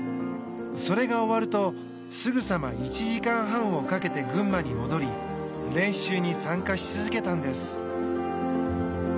それが終わると、すぐさま１時間半をかけて群馬に戻り練習に参加し続けたんです。